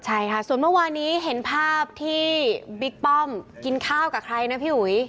ใช่ค่ะส่วนเมื่อวานี้เห็นภาพที่บิ๊กป้อมกินข้าวกับใครนะพี่อุ๋ย